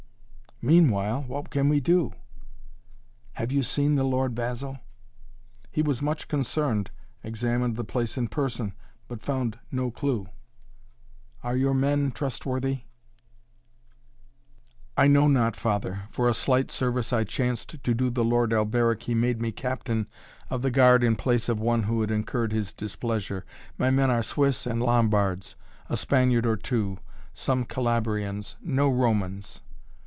"Meanwhile what can we do?" "Have you seen the Lord Basil?" "He was much concerned, examined the place in person, but found no clue." "Are your men trustworthy?" "I know not, Father! For a slight service I chanced to do the Lord Alberic he made me captain of the guard in place of one who had incurred his displeasure. My men are Swiss and Lombards, a Spaniard or two some Calabrians no Romans."